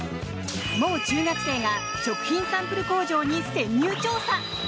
もう中学生が食品サンプル工場に潜入調査。